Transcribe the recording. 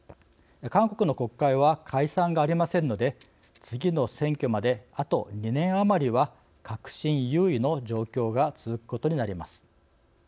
韓国の国会は解散がありませんので次の選挙まであと２年余りは革新優位の状況が続くことになります。